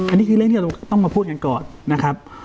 อันนี้คือเรื่องที่เราต้องมาพูดกันก่อนนะครับ